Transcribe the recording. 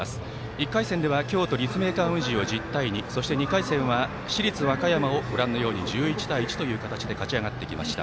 １回戦では京都、立命館宇治を１０対２そして２回戦は市立和歌山を１１対１という形で勝ち上がってきました。